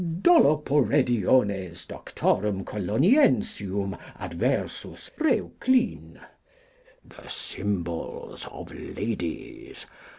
Dolloporediones Doctorum Coloniensium adversus Reuclin. The Cymbals of Ladies.